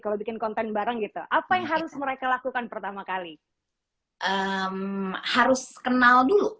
kalau bikin konten bareng gitu apa yang harus mereka lakukan pertama kali harus kenal dulu